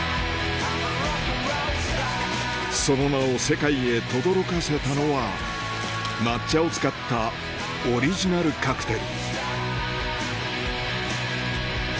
その名を世界へとどろかせたのは抹茶を使ったオリジナルカクテル